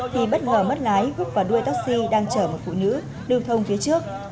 thì bất ngờ mất lái hút vào đuôi taxi đang chở một phụ nữ lưu thông phía trước